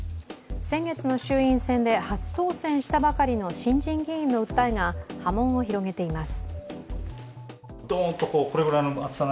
先月の衆院選で初当選したばかりの新人議員の訴えが波紋を広げています。